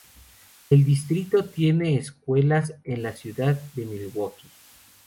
El distrito tiene escuelas en la Ciudad de Milwaukee.